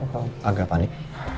kenapa pak agak panik